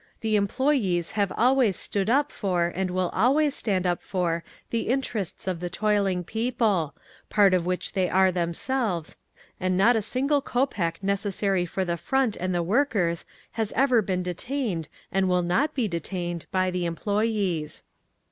THE EMPLOYEES HAVE ALWAYS STOOD UP FOR AND WILL ALWAYS STAND UP FOR THE INTERESTS OF THE TOILING PEOPLE, PART OF WHICH THEY ARE THEMSELVES, AND NOT A SINGLE KOPEK NECESSARY FOR THE FRONT AND THE WORKERS HAS EVER BEEN DETAINED AND WILL NOT BE DETAINED BY THE EMPLOYEES.